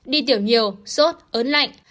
đi tiểu nhiều sốt ớn lạnh